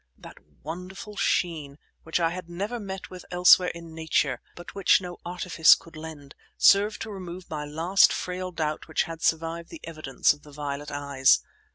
That wonderful sheen, which I had never met with elsewhere in nature, but which no artifice could lend, served to remove my last frail doubt which had survived the evidence of the violet eyes.